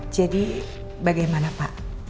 jadi bagaimana pak